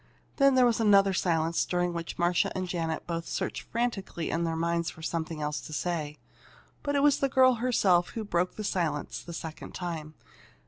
Then there was another silence during which Marcia and Janet both searched frantically in their minds for something else to say. But it was the girl herself who broke the silence the second time.